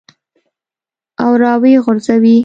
او راویې غورځوې.